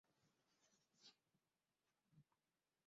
Nun oni povas daŭrigi ĝis la urbo Johann-Geogen-Stadt.